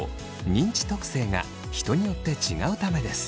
認知特性が人によって違うためです。